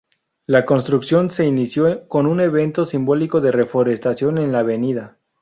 La construcción se inició con un evento simbólico de reforestación en la avenida.